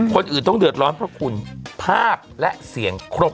คนอื่นต้องเดือดร้อนเพราะคุณภาพและเสียงครบ